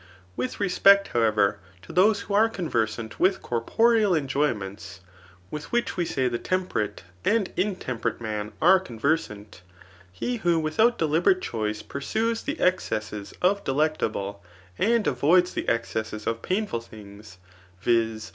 With respect, how ever, to those who are conversant with corporeal enjoy ments, with which we say the temperate and intemper ate man are conversant, he who without deliberate chdoe pursues the excesses of delectable, and avoids the ex cesses of painful things, viz.